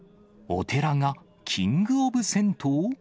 お寺がキングオブ銭湯？